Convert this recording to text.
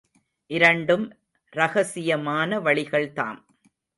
இரண்டும் ரகசியமான வழிகள் தாம்.